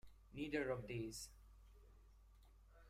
Neither of these.